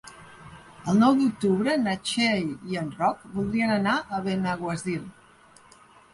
El nou d'octubre na Txell i en Roc voldrien anar a Benaguasil.